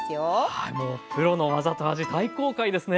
はいもうプロの技と味大公開ですね。